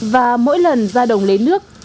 và mỗi lần ra đồng lấy nước